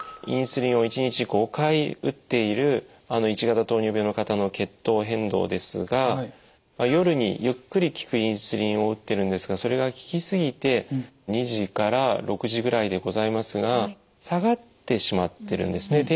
インスリンを１日５回打っている１型糖尿病の方の血糖変動ですが夜にゆっくり効くインスリンを打ってるんですがそれが効き過ぎて２時から６時ぐらいでございますが下がってしまってるんですね。